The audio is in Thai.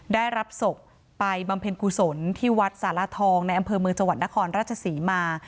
ได้รับศพไปบำเพ็ญกุศลที่วัดสารทองในอำเภอเมืองจังหวัดนครราชศรีมา